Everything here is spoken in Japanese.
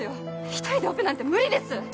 １人でオペなんて無理です！